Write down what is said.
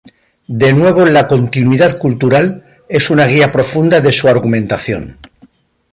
De nuevo la 'continuidad cultural' es una guía profunda de su argumentación.